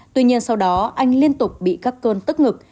tuy nhiên sau đó anh liên tục bị các cơn tức ngực